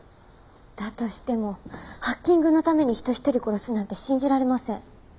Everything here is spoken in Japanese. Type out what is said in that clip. だとしてもハッキングのために人ひとり殺すなんて信じられません。